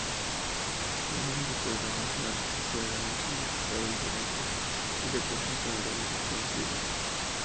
En ambos programas, NaN posee un significado diferente y representa valores desconocidos.